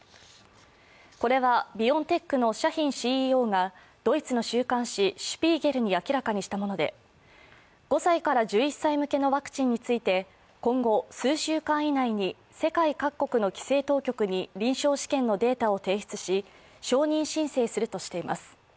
これはビオンテックのシャヒンＣＥＯがドイツの週刊誌「シュピーゲル」に明らかにしたもので５歳から１１歳向けのワクチンについて今後数週間以内に世界各国の規制当局に臨床試験のデータを提出し、承認申請するとしています。